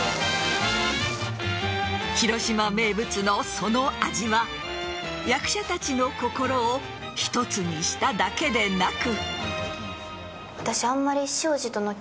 広島名物のその味は役者たちの心を一つにしただけでなく。